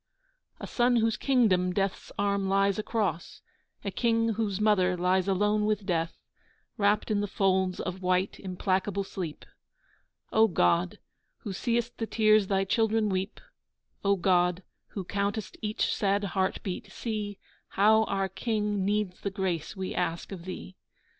A Son whose kingdom Death's arm lies across, A King whose Mother lies alone with Death Wrapped in the folds of white implacable sleep. O God, who seest the tears Thy children weep, O God, who countest each sad heart beat, see How our King needs the grace we ask of Thee!